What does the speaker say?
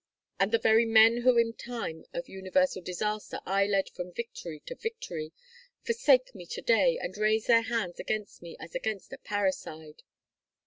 And the very men whom in time of universal disaster I led from victory to victory, forsake me to day and raise their hands against me as against a parricide."